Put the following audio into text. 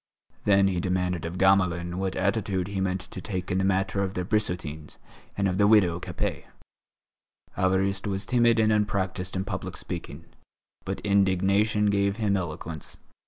Then he demanded of Gamelin what attitude he meant to take up in the matter of the Brissotins and of the widow Capet. Évariste was timid and unpractised in public speaking. But indignation gave him eloquence.